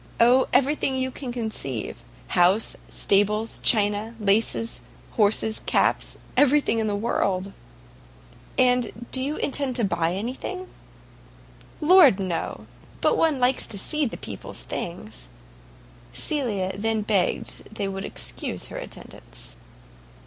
"Oh, every thing you can conceive; house, stables, china, laces, horses, caps, everything in the world." "And do you intend to buy any thing?" "Lord, no; but one likes to see the people's things." Cecilia then begged they would excuse her attendance.